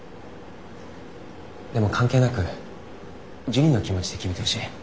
でも関係なくジュニの気持ちで決めてほしい。